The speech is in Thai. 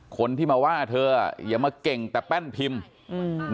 คนที่มาว่าเธออ่ะอย่ามาเก่งแต่แป้นพิมพ์อืม